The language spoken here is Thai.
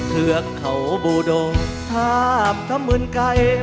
เทือกเขาบูโดทาบทะเมืองไกล